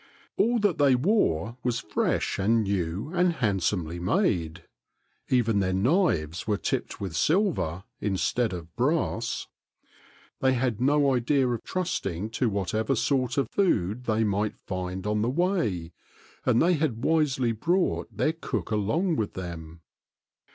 All that they wore was fresh and new and handsomely made. Even their knives were tipped with silver instead of brass. They had no 8 @t t^t tixUx^ ^m idea of trusting to whatever sort of food they might find on the way, and they had wisely brought their cook along with them.